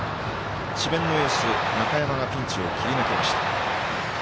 智弁のエース、中山がピンチを切り抜けました。